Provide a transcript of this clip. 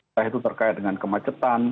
entah itu terkait dengan kemacetan